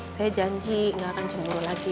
saya janji gak akan cemburu lagi